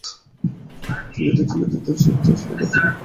চলিতে চলিতে শরীর শ্রান্ত হইয়া আসিল, রাত্রিও প্রায় শেষ হইল।